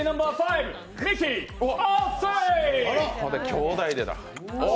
兄弟でだ。